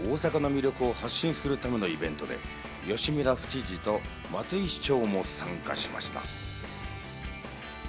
こちらは国内外に向けて大阪の魅力を発信するためのイベントで、吉村府知事と松井市長も参加しました。